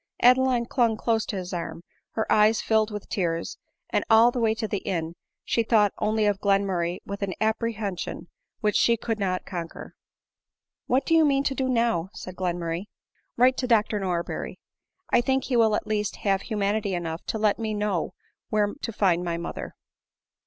Adeline clung close to his arm, her eyes filled with tears, and all the way to the inn she thought only of Glenmurray with an apprehension which she could not conquer. " What do you mean to do now ?" said Glenmurray. " Write to Dr Norberry. I think he will at least have humanity enough to let me know where to find my moth er."